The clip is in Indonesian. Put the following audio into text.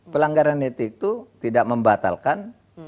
pelanggaran etik itu tidak membatalkan